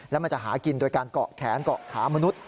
แล้วมันจะหากินโดยการเกาะแขนเกาะขามนุษย